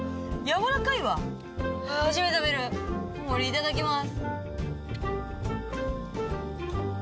いただきます。